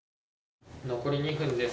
残り２分です。